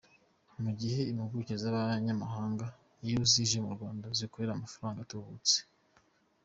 Mu gihe impuguke z’abanyamahanga iyo zije mu Rwanda zikorera amafaranga atubutse.